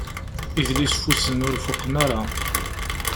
Idlisfusen ur fuqen ara.